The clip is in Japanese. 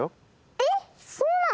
えそうなの？